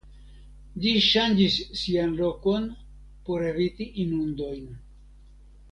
Ĝi ŝanĝis sian lokon por eviti inundojn.